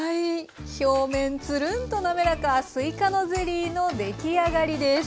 表面ツルンと滑らかすいかのゼリーの出来上がりです。